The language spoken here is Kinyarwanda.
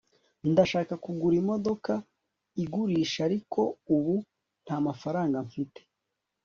Ndashaka kugura imodoka ugurisha ariko ubu ntamafaranga mfite